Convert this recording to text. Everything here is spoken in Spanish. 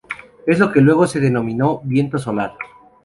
Es lo que luego se denominó viento solar.